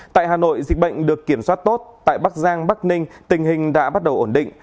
tại hà nội dịch bệnh được kiểm soát tốt tại bắc giang bắc ninh tình hình đã bắt đầu ổn định